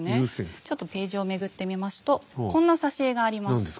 ちょっとページをめくってみますとこんな挿絵があります。